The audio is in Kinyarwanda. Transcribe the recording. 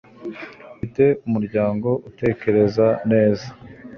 Ufite umuryango utekereza neza